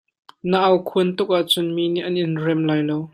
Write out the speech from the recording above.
Na aukhuan tuk ahcun mi nih an in rem lai lo.